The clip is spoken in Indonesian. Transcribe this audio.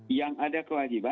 yang ada kewajiban